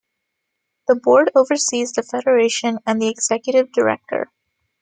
The Board oversees the Federation and the Executive Director.